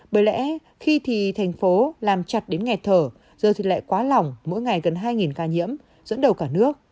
bởi lẽ khi thì thành phố làm chặt đến nghẹt thở giờ thì lại quá lỏng mỗi ngày gần hai ca nhiễm dẫn đầu cả nước